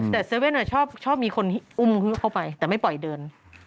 แต่๗๑๑ชอบมีคนอุ้มเข้าไปแต่ไม่ปล่อยเดิน